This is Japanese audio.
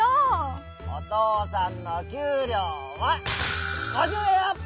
おとうさんのきゅうりょうは５０円アップ！